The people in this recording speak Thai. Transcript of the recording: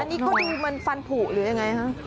อันนี้ก็ดูมันฟันผูหรือยังไงฮะ